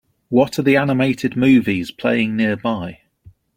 What are the animated movies playing nearby